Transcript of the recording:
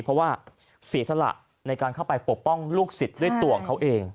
เพราะว่าเสียสละในการเข้าไปปกป้องลูกศิษย์ด้วยตัวของเขาเอง